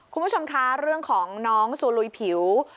คุณผู้ชมคะเรื่องของน้องซูลุยผิว